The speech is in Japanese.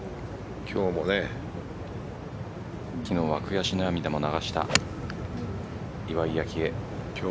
昨日は悔し涙も流した岩井明愛。